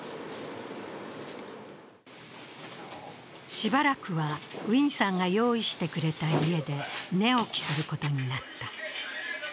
しばらくはウィンさんが用意してくれた家で寝起きすることになった。